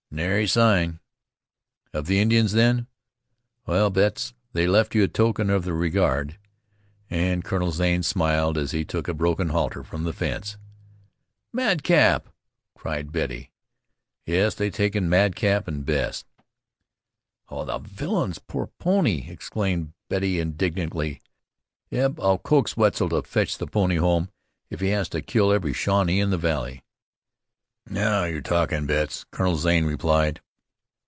"Nary sign." "Of the Indians, then?" "Well, Betts, they left you a token of their regard," and Colonel Zane smiled as he took a broken halter from the fence. "Madcap?" cried Betty. "Yes, they've taken Madcap and Bess." "Oh, the villains! Poor pony," exclaimed Betty indignantly. "Eb, I'll coax Wetzel to fetch the pony home if he has to kill every Shawnee in the valley." "Now you're talking, Betts," Colonel Zane replied.